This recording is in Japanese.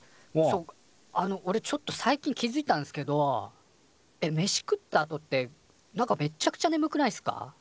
そうあのおれちょっと最近気づいたんすけどえっ飯食ったあとってなんかめっちゃくちゃねむくないっすか？